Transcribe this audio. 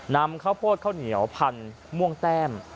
นำข้าวโพดข้าวเหนียวพันม่วงแต้ม